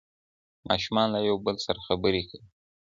ماشومان له یو بل سره خبرې کوي.